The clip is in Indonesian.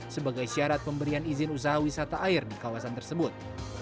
sebagai syarat pemberian izin usaha wisata air di kawasan tersebut